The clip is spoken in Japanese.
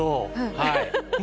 はい。